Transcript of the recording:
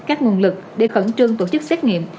các nguồn lực để khẩn trương tổ chức xét nghiệm